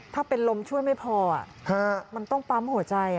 ถ้าเป็นลมช่วยไม่พอมันต้องปั๊มหัวใจ